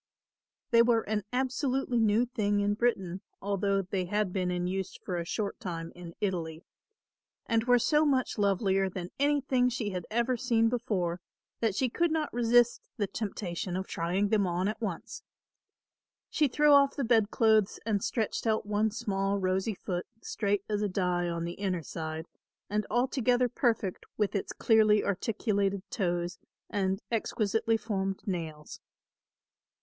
They were an absolutely new thing in Britain, although they had been in use for a short time in Italy, and were so much lovelier than anything she had ever seen before that she could not resist the temptation of trying them on at once. She threw off the bedclothes and stretched out one small rosy foot, straight as a die on the inner side, and altogether perfect with its clearly articulated toes and exquisitely formed nails.